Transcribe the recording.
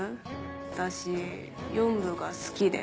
私４部が好きで。